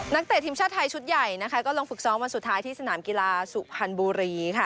เตะทีมชาติไทยชุดใหญ่ก็ลงฝึกซ้อมวันสุดท้ายที่สนามกีฬาสุพรรณบุรีค่ะ